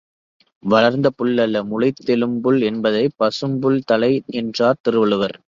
வளர்ந்த புல் அல்ல, முளைத்தெழும்புல் என்பதை பசும்புல் தலை என்றார் திருவள்ளுவர்.